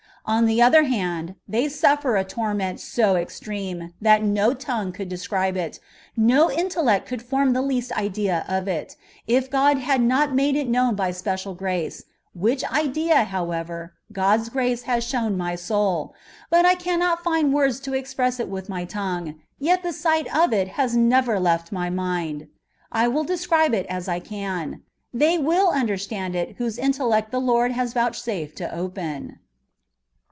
On the other band, they sufifer a torment so extreme, that no tongue could describe it, no intellecìt could form the least idea of it, if God had not made it known by special grace ; which idea, however, God's grace has shown my soul; but I cannot find words to express it with my tongue, yet the sight of it has never lefb my mind. I will describe it as I can : they will understand it whose intellect the Lord shall Youchsafe to open.